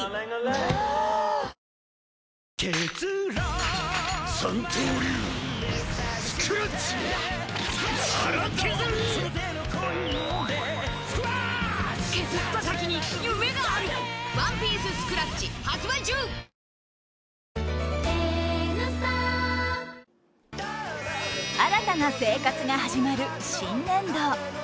ぷはーっ新たな生活が始まる新年度。